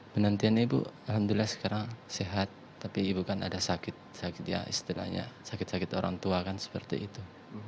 penentian ibu alhamdulillah sekarang sehat tapi ibu kan ada sakit sakit ya istilahnya sakit sakit orang tua kan seperti itu